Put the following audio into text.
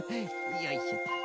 よいしょと。